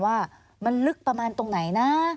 ว่ามันลึกประมาณตรงไหนนะ